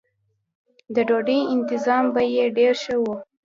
د ډوډۍ انتظام به یې ډېر ښه و.